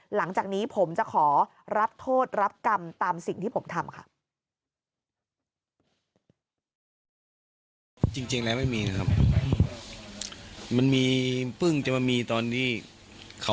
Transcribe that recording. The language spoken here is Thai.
หลังจากนี้ผมจะขอรับโทษรับกรรมตามสิ่งที่ผมทำค่ะ